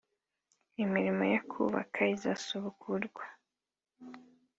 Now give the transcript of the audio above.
imirimo yo kubaka izasubukurwa